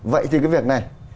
vậy thì cái việc này